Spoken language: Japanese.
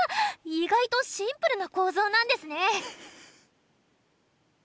意外とシンプルな構造なんですね。